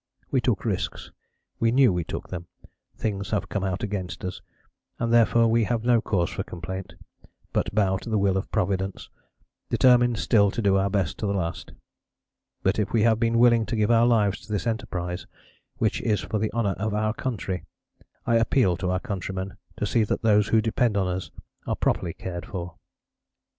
We took risks, we knew we took them; things have come out against us, and therefore we have no cause for complaint, but bow to the will of Providence, determined still to do our best to the last. But if we have been willing to give our lives to this enterprise, which is for the honour of our country, I appeal to our countrymen to see that those who depend on us are properly cared for.